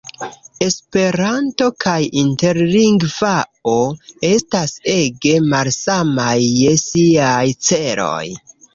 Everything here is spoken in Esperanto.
Esperanto kaj interlingvao estas ege malsamaj je siaj celoj.